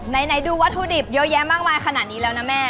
ไหนดูวัตถุดิบเยอะแยะมากมายขนาดนี้แล้วนะแม่